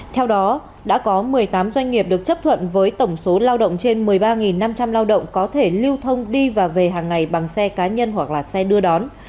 theo đó đã có một mươi tám doanh nghiệp được chấp thuận với tổng số lao động trên một mươi ba năm trăm linh lao động có thể lưu thông đi và về hàng ngày bằng xe cá nhân hoặc là xe đưa đón